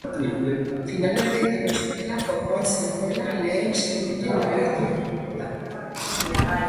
Finalerdietarako txartela jokoan zegoela lehen segundotik nabaritu da.